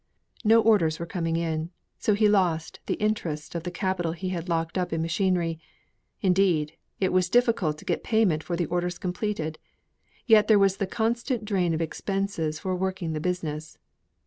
No orders were coming in; so he lost the interest of the capital he had locked up in machinery; indeed, it was difficult to get payment for the orders completed; yet there was the constant drain of expenses for working the business.